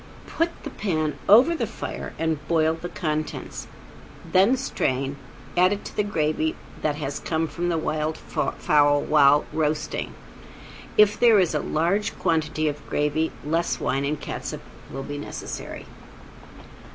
Put the pan over the fire and boil the contents; then strain, add it to the gravy that has come from the wild fowl while roasting. If there is a large quantity of gravy less wine and catsup will be necessary.